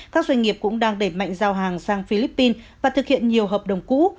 các doanh nghiệp cũng đang đẩy mạnh giao hàng sang philippines và thực hiện nhiều hợp đồng cũ